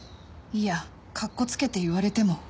いやかっこつけて言われても